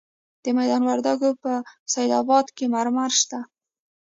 د میدان وردګو په سید اباد کې مرمر شته.